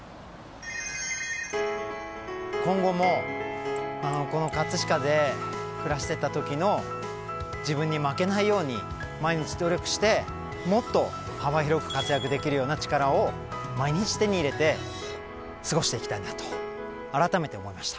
今後もこの葛飾で暮らしてたときの自分に負けないように毎日努力してもっと幅広く活躍できるような力を毎日手に入れて過ごしていきたいなとあらためて思いました。